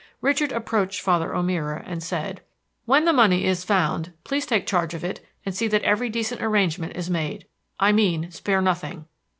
Richard approached Father O'Meara and said: "When the money is found, please take charge of it, and see that every decent arrangement is made. I mean, spare nothing.